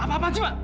apa apaan sih pak